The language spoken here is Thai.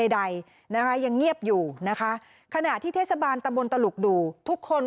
ใดนะคะยังเงียบอยู่นะคะขณะที่เทศบาลตะบนตลุกดูทุกคน